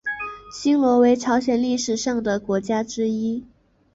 新罗为朝鲜历史上的国家之一。